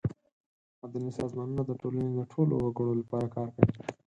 مدني سازمانونه د ټولنې د ټولو وګړو لپاره کار کوي.